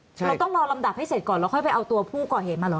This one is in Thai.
เราต้องรอลำดับให้เสร็จก่อนแล้วค่อยไปเอาตัวผู้ก่อเหตุมาเหรอ